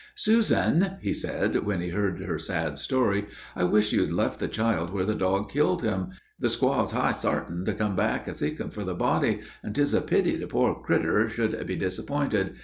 "Susan," he said, when he had heard her sad story, "I wish you'd left the child where the dog killed him. The squaw's high sartain to come back a seekin' for the body, and 'tis a pity the poor crittur should be disappointed.